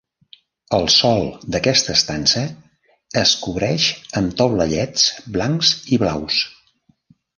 El sòl d'aquesta estança es cobreix amb taulellets blancs i blaus.